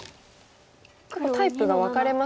結構タイプが分かれますよね。